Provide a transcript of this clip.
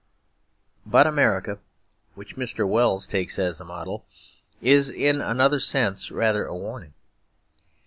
But America, which Mr. Wells takes as a model, is in another sense rather a warning.